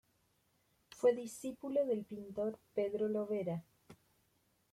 Fue discípulo del pintor Pedro Lovera.